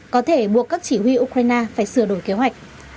có thể buộc các chỉ huy ukraine phải sửa đổi kế hoạch